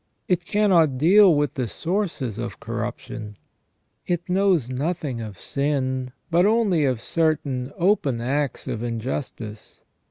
It cannot deal with the sources of corruption. It knows nothing of sin, but only of certain open acts of injustice.